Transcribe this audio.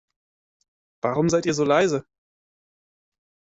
Warum seid ihr so leise?